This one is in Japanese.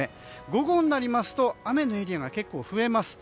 午後になりますと雨のエリアが結構増えます。